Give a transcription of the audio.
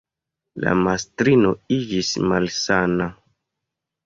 La mastrino iĝis malsana.